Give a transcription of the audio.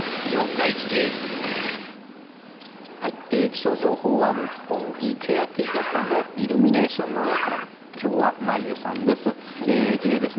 気象情報は六本木けやき坂のイルミネーションの中から今日は、眞家さんです。